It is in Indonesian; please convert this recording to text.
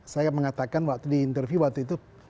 saya mengatakan waktu di interview waktu itu